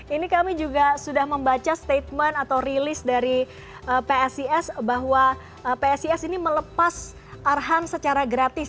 ini kami juga sudah membaca statement atau rilis dari psis bahwa psis ini melepas arhan secara gratis